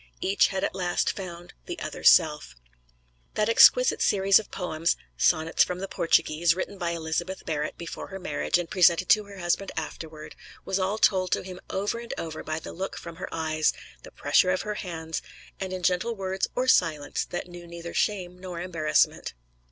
Each had at last found the other self. That exquisite series of poems, "Sonnets From the Portuguese," written by Elizabeth Barrett before her marriage and presented to her husband afterward, was all told to him over and over by the look from her eyes, the pressure of her hands, and in gentle words (or silence) that knew neither shame nor embarrassment.